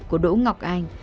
của đỗ ngọc anh